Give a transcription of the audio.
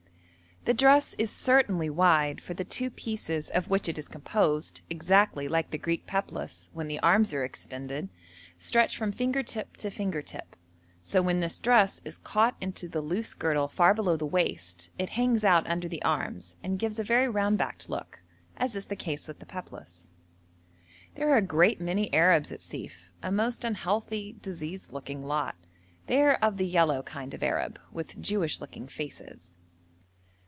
The dress is certainly wide, for the two pieces of which it is composed, exactly like the Greek peplos, when the arms are extended, stretch from finger tip to finger tip, so when this dress is caught into the loose girdle far below the waist, it hangs out under the arms and gives a very round backed look, as is the case with the peplos. There are a great many Arabs at Sief, a most unhealthy, diseased looking lot. They are of the yellow kind of Arab, with Jewish looking faces.